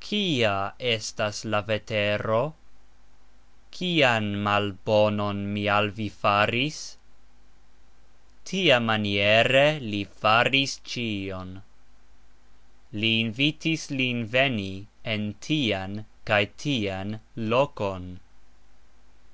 Kia estas la vetero? Kian malbonon mi al vi faris? Tiamaniere li faris cxion. Li invitis lin veni en tian kaj tian lokon.